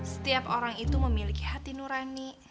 setiap orang itu memiliki hati nurani